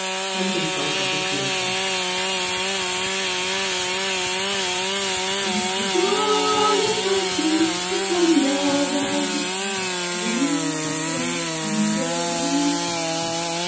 Hunting Song of the Seeonee Pack As the dawn was breaking the Sambhur belled Once, twice and again!